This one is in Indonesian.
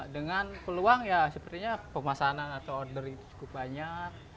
dengan peluang ya sepertinya pemasanan atau order itu cukup banyak